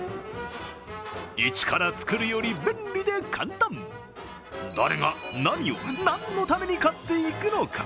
イチから作るより便利で簡単、誰が、何を、何のために買っていくのか。